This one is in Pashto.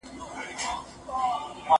زه مخکي کتابتوننۍ سره وخت تېروولی وو!!